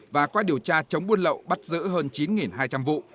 và qua điều tra chống buôn lậu bắt giữ hơn chín hai trăm linh vụ